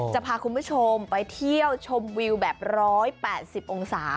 จะพาคุณผู้ชมไปเที่ยวชมวิวแบบ๑๘๐องศา